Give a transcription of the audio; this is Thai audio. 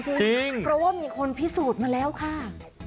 เพราะว่ามีคนพิสูจน์มาแล้วค่ะ